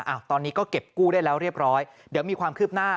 อ่ะตอนนี้ก็เก็บกู้ได้แล้วเรียบร้อยเดี๋ยวมีความคืบหน้า